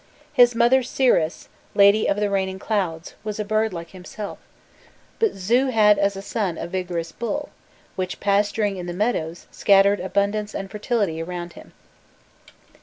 His mother Siris, lady of the rain and clouds, was a bird like himself; but Zu had as son a vigorous bull, which, pasturing in the meadows, scattered abundance and fertility around him.